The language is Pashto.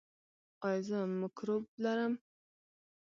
ایا زه مکروب لرم؟